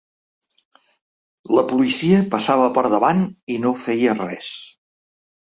La policia passava per davant i no feia res.